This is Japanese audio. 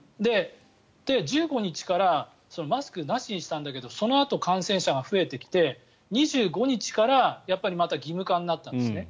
１５日からマスクなしにしたんだけどそのあと感染者が増えてきて２５日からやっぱりまた義務化になったんですね。